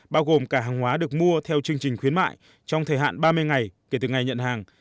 bao gồm cả hàng hóa được mua theo chương trình khuyến mại trong thời hạn ba mươi ngày kể từ ngày nhận hàng